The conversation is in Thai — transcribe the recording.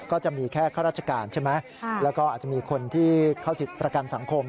ก็จะมีแค่ข้าราชการใช่ไหมแล้วก็อาจจะมีคนที่เข้าสิทธิ์ประกันสังคม